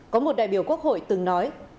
có một đại biểu quốc hội từng nói